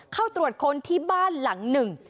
เข้าตรวจค้นที่บ้านหลังหนึ่ง